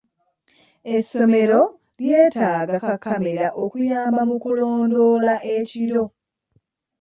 Essomero lyeetaaga kkamera okuyamba mu kulondoola ekiro.